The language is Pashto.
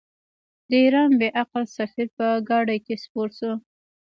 د ایران بې عقل سفیر په ګاډۍ کې سپور شو.